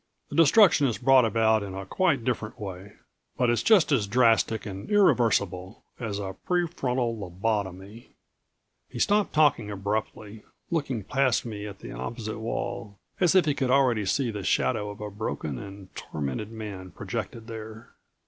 The destruction is brought about in a quite different way. But it's just as drastic and irreversible as a prefrontal lobotomy." He stopped talking abruptly, looking past me at the opposite wall, as if he could already see the shadow of a broken and tormented man projected there.